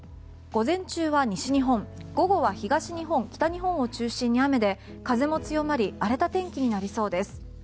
午前中は西日本午後は東日本、北日本を中心に雨で風も強まり荒れた天気になりそうです。